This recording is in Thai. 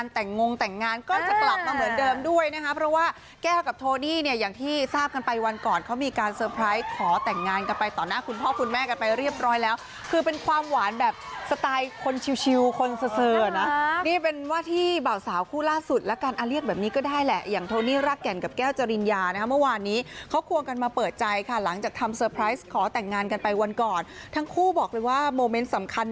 แต่งงงแต่งงานก็จะกลับมาเหมือนเดิมด้วยนะครับเพราะว่าแก้วกับโทนี่เนี่ยอย่างที่ทราบกันไปวันก่อนเขามีการสเตอร์ไพรส์ขอแต่งงานกันไปต่อหน้าคุณพ่อคุณแม่กันไปเรียบร้อยแล้วคือเป็นความหวานแบบสไตล์คนชิวคนเสอนะนี่เป็นว่าที่เบาสาวคู่ล่าสุดแล้วการอเรียกแบบนี้ก็ได้แหละอย่างโทนี่รักแก่นกั